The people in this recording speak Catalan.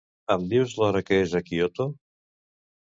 Em dius l'hora que és a Kyoto?